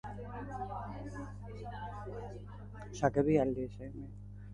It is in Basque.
Margolari inpresionista frantziarraren bigarren salneurri altuena da enkante batean.